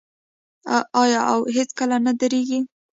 آیا او هیڅکله نه دریږي؟